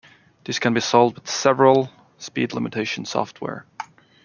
This can be solved with several speed limitation software.